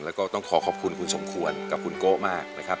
แล้วก็ต้องขอขอบคุณคุณสมควรกับคุณโกะมากนะครับ